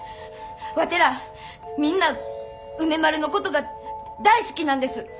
ワテらみんな梅丸のことが大好きなんです。